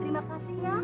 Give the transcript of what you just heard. terima kasih ya